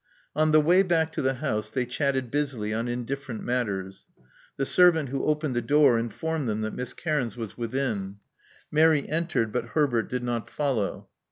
On the way back to the house they chatted busily on indifferent matters. The servant who opened the door informed them that Miss Cairns was within. Mary entered ; but Herbert did not follow.